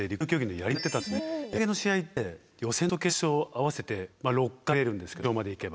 やり投げの試合って予選と決勝合わせて６回投げれるんですけど決勝まで行けば。